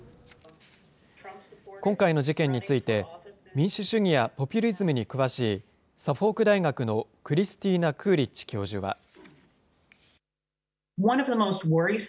今回の事件について、民主主義やポピュリズムに詳しい、サフォーク大学のクリスティーナ・クーリッチ教授は。